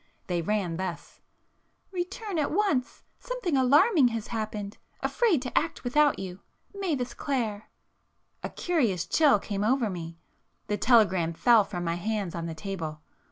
They ran thus— "Return at once. Something alarming has happened. Afraid to act without you. Mavis Clare." A curious chill came over me,—the telegram fell from my hands on the table.